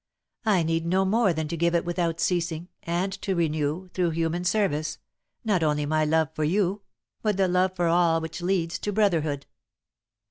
I need no more than to give it without ceasing, and to renew, through human service, not only my love for you, but the love for all which leads to brotherhood.